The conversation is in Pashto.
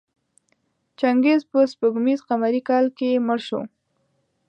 چنګیز په سپوږمیز قمري کال کې مړ شو.